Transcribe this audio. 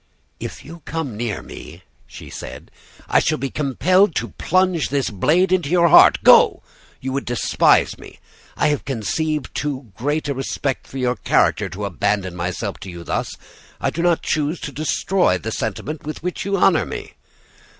"'If you come hear me,' she said, 'I shall be compelled to plunge this blade into your heart. Go! you would despise me. I have conceived too great a respect for your character to abandon myself to you thus. I do not choose to destroy the sentiment with which you honor me.